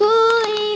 tinggi tinggi sekali